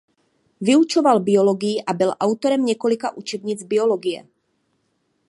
Vyučoval biologii a byl autorem několika učebnic biologie.